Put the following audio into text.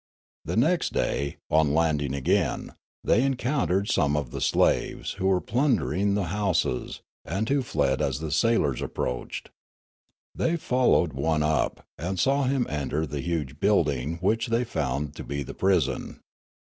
The next day, on landing again, they encountered some of the slaves, who were plundering the houses, and who fled as the sailors approached. They fol lowed one up, and saw him enter the huge building, which they found to be the prison.